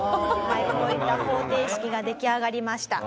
こういった方程式が出来上がりました。